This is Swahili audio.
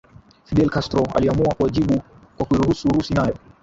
Fidel Castro aliamua kuwajibu kwa kuiruhusu Urusi nayo